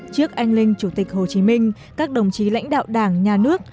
trước anh linh chủ tịch hồ chí minh các đồng chí lãnh đạo đảng nhà nước